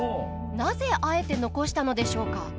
なぜあえて残したのでしょうか？